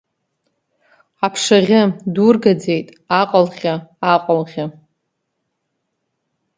Аԥшаӷьы, дургаӡеит, аҟалӷьы, Аҟалӷьы!